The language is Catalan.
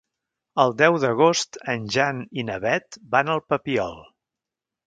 El deu d'agost en Jan i na Beth van al Papiol.